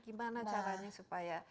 gimana caranya supaya